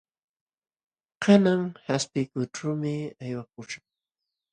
Kanan qaspiykuyćhuumi aywakuśhaq.